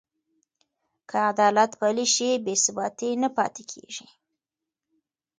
که عدالت پلی شي، بې ثباتي نه پاتې کېږي.